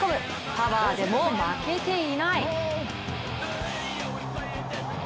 パワーでも負けていない。